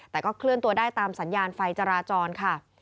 แต่ก็เคลื่อนตัวได้ตามสัญญาณไฟจราจรค่ะ